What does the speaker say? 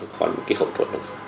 còn cái hậu thuật đằng sau